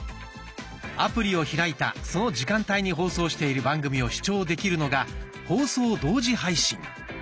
アプリを開いたその時間帯に放送している番組を視聴できるのが「放送同時配信」。